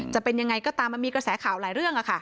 จะเป็นยังไงก็ตามมันมีกระแสข่าวหลายเรื่อง